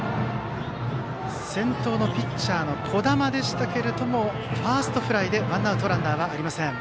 先頭、ピッチャーの児玉はファーストフライでワンアウトランナーはありません。